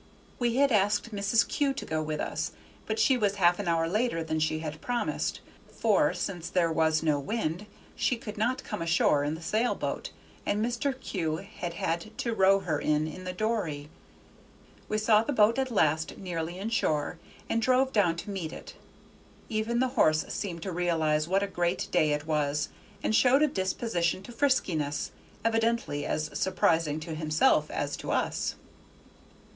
We had asked Mrs. Kew to go with us; but she was half an hour later than she had promised, for, since there was no wind, she could not come ashore in the sail boat, and Mr. Kew had had to row her in in the dory. We saw the boat at last nearly in shore, and drove down to meet it: even the horse seemed to realize what a great day it was, and showed a disposition to friskiness, evidently as surprising to himself as to us. Mrs.